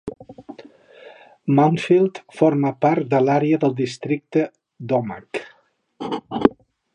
Mountfield forma part de l'àrea del districte d'Omagh.